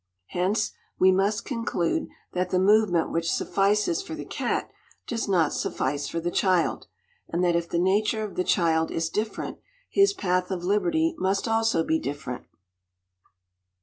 Hence we must conclude that the movement which suffices for the cat does not suffice for the child, and that if the nature of the child is different, his path of liberty must also be different.